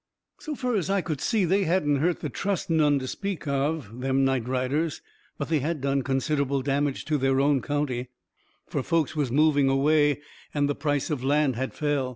So fur as I could see they hadn't hurt the trust none to speak of, them night riders. But they had done considerable damage to their own county, fur folks was moving away, and the price of land had fell.